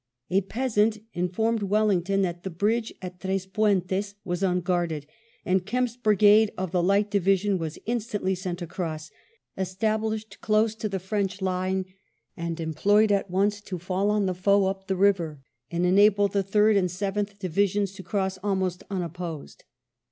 A peasant informed Wellington that the bridge at Tres Puentes was unguarded, and Kempt's brigade of the Light Division was instantly sent across, established close to the French line, and VIII BATTLE OF VITTORIA 179 employed at once to fall on the foe up the river, and enable the Thurd and Seventh Divisions to cross almost unopposed.